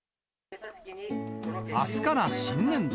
あすから新年度。